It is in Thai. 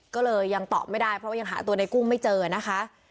ก็เลยยังตอบไม่ได้เพราะว่ายังหาตัวในกุ้งไม่เจอนะคะ